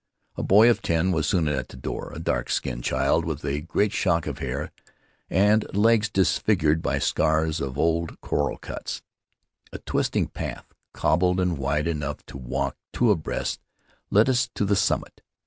A boy of ten was soon at the door — a dark skinned child with a great shock of hair, and legs disfigured by the scars of old coral cuts. A twisting path, cobbled, and wide enough to walk two abreast, led us to the summit.